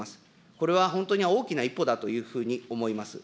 これは本当に大きな一歩だというふうに思います。